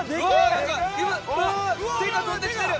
手が飛んできてる！